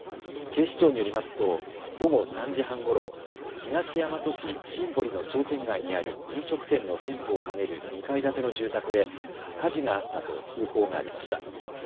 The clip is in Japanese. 警視庁によりますと午後３時半ごろ、東大和市新堀の商店街にある飲食店の店舗を兼ねる２階建ての住宅で火事があったと通報がありました。